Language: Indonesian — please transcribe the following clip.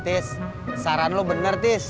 tis saran lo bener tis